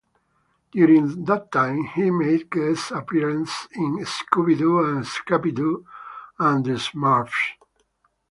During that time, he made guest appearances in "Scooby-Doo and Scrappy-Doo" and "The Smurfs".